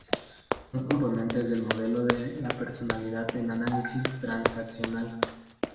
Son los componentes del modelo de la personalidad en Análisis Transaccional.